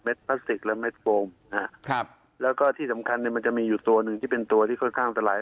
แมดพลาสติกและแมดโฟมครับแล้วก็ที่สำคัญมันจะมีอยู่ตัวหนึ่งที่เป็นตัวที่ค่อนข้างตลาย